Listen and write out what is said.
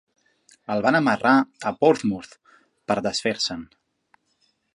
El van amarrar a Portsmouth per desfer-se'n.